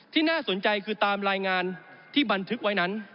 น่าสนใจคือตามรายงานที่บันทึกไว้นั้น